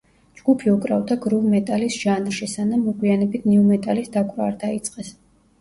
ჯგუფი უკრავდა გრუვ მეტალის ჟანრში, სანამ მოგვიანებით ნიუ მეტალის დაკვრა არ დაიწყეს.